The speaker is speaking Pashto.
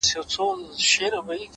لوړ فکر کوچني خنډونه کمزوري کوي؛